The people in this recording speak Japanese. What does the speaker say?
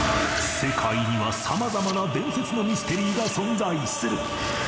世界には様々な伝説のミステリーが存在する